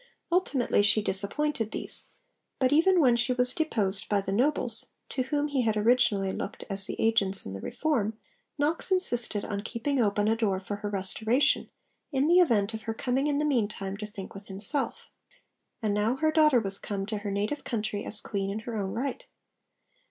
Ultimately she disappointed these; but even when she was deposed by the nobles, to whom he had originally looked as the agents in the Reform, Knox insisted on keeping open a door for her restoration, in the event of her coming in the meantime to think with himself. And now her daughter was come to her native country as Queen in her own right.